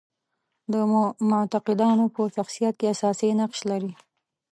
د معتقدانو په شخصیت کې اساسي نقش لري.